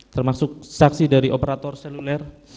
termasuk saksi dari operator seluler